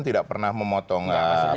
tidak pernah memotong